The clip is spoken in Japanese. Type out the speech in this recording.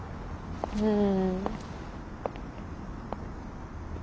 うん。